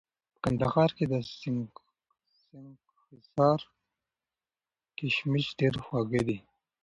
په کندهار کي د سنګحصار کشمش ډېر خواږه دي